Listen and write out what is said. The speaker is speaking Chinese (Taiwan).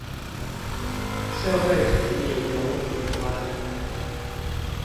社會主義榮辱觀